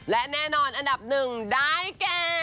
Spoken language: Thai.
และแน่นอนอันดับ๑ได้เก่ง